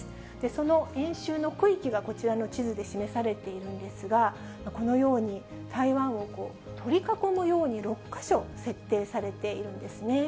その演習の区域がこちらの地図で示されているんですが、このように台湾を取り囲むように６か所、設定されているんですね。